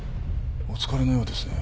お疲れのようですね。